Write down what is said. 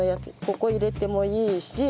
ここ入れてもいいし。